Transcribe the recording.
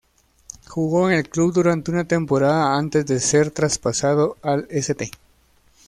Jugó en el club durante una temporada antes de ser traspasado al St.